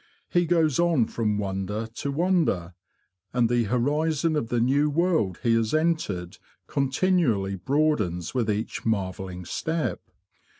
He goes on from wonder to wonder, and the horizon of the new world he has entered continually broadens with each marvelling step.